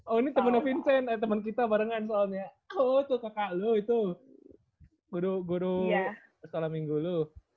oh ini temennya vincent eh teman kita barengan soalnya oh tuh kakak lu itu guru guru sekolah minggu lu